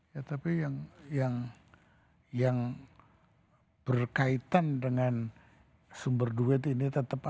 ya tapi yang berkaitan dengan sumber duit ini tetap ada